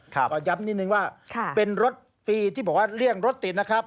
ก็ย้ำนิดนึงว่าเป็นรถฟรีที่บอกว่าเลี่ยงรถติดนะครับ